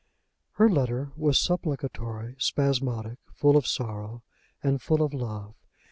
Her letter was supplicatory, spasmodic, full of sorrow, and full of love.